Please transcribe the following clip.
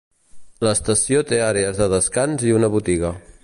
L'estació té àrees de descans i una botiga.